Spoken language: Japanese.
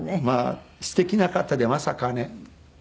まあすてきな方でまさかね